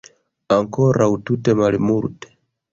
Ankoraŭ tute malmulte.